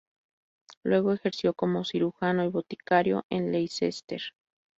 Luego ejerció como cirujano y boticario en Leicester.